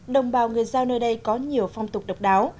đồng bào người giao nơi đây có nhiều phong tục độc đáo